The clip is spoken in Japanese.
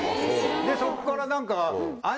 でそっから何か。